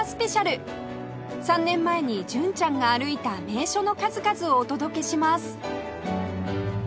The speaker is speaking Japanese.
３年前に純ちゃんが歩いた名所の数々をお届けします！